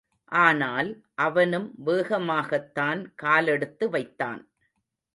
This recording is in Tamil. ஆனால், அவனும் வேகமாகத்தான் காலெடுத்து வைத்தான்.